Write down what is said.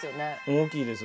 大きいです。